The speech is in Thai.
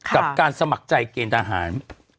กับการสมัครใจเกณฑ์ทหาร